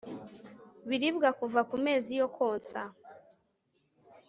biribwa kuva ku mezi yo konsa